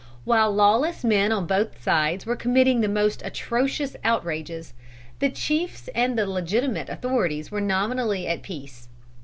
While lawless men on both sides were committing the most atrocious outrages, the chiefs and the legitimate authorities were nominally at peace.